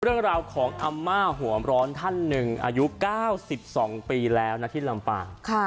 เรื่องราวของอาม่าหัวร้อนท่านหนึ่งอายุ๙๒ปีแล้วนะที่ลำปาง